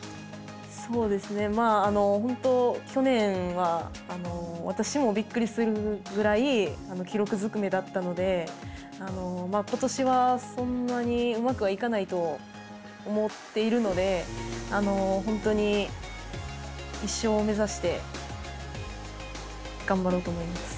そうですね、本当、去年は、私もびっくりするぐらい、記録ずくめだったので、ことしはそんなにうまくはいかないと思っているので、本当に１勝を目指して、頑張ろうと思います。